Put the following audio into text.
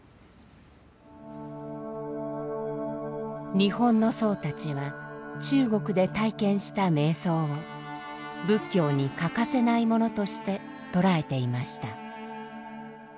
日本の僧たちは中国で体験した瞑想を仏教に欠かせないものとして捉えていました。